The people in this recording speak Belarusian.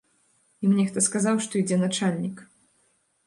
Ім нехта сказаў, што ідзе начальнік.